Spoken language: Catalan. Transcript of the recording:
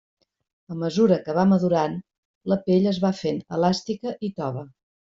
A mesura que va madurant, la pell es va fent elàstica i tova.